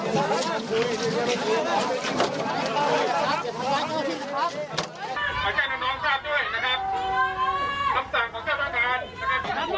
นี่มันเป็นพื้นที่ของใครครับ